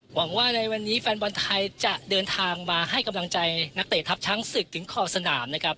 หวังว่าในวันนี้แฟนบอลไทยจะเดินทางมาให้กำลังใจนักเตะทัพช้างศึกถึงขอบสนามนะครับ